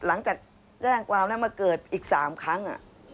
หลังจากแจ้งความแล้วมาเกิดอีก๓ครั้ง